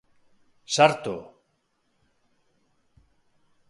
Sartu.